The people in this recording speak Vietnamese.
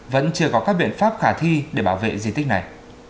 vẫn chưa có các biện pháp khả thi để bảo vệ di tích này